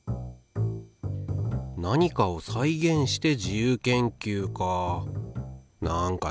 なにかを再現して自由研究か。